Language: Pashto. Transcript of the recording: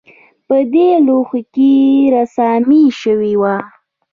په دې لوښو کې رسامي شوې وه